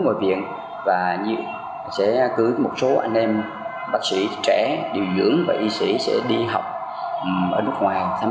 ngồi viện và như sẽ cứ một số anh em bác sĩ trẻ điều dưỡng và y sĩ sẽ đi học ở nước ngoài tham